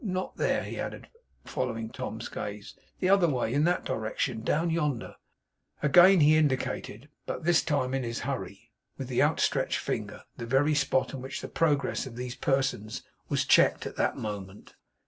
not there,' he added, following Tom's gaze; 'the other way; in that direction; down yonder.' Again he indicated, but this time in his hurry, with his outstretched finger, the very spot on which the progress of these persons was checked at that moment.